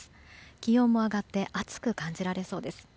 気温も上がって暑く感じられそうです。